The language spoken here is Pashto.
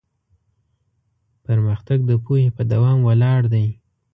پرمختګ د پوهې په دوام ولاړ دی.